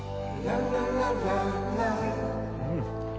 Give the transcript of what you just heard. うん！